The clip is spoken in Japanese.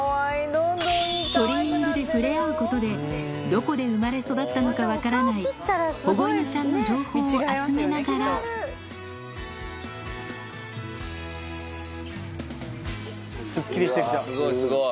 トリミングで触れ合うことでどこで生まれ育ったのか分からない保護犬ちゃんの情報を集めながらうわ